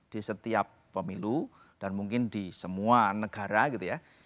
di setiap pemilu dan mungkin di semua negara gitu ya